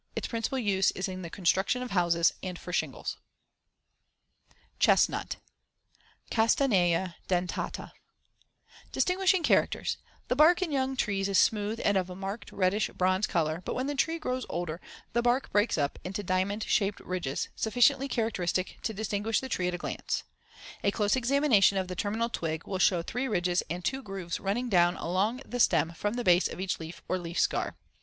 Its principal use is in the construction of houses and for shingles. [Illustration: FIG. 64. Leaf and Fruit of Pin Oak.] CHESTNUT (Castanea dentata) Distinguishing characters: The *bark* in young trees is smooth and of a marked reddish bronze color, but when the tree grows older, the bark breaks up into *diamond shaped ridges*, sufficiently characteristic to distinguish the tree at a glance, see Fig. 65. A close examination of the terminal twig will show three ridges and two grooves running down along the stem from the base of each leaf or leaf scar.